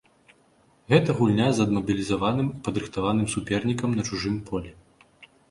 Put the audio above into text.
Гэта гульня з адмабілізаваным і падрыхтаваным супернікам на чужым полі.